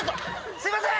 すいません！